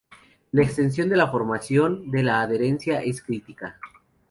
La extensión de la formación de la adherencia es crítica.